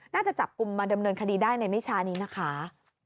น่าจะจับกลุ่มมาดำเนินคดีได้ในไม่ช้านี้นะคะ